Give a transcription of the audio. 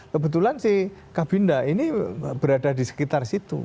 kebetulan si kabinda ini berada di sekitar situ